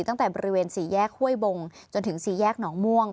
ตั้งแต่บริเวณสี่แยกห้วยบงจนถึงสี่แยกหนองม่วง